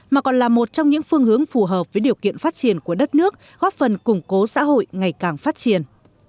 mà còn là một trong những phương hướng phù hợp với điều kiện phát triển của đất nước góp phần củng cố xã hội ngày càng phát triển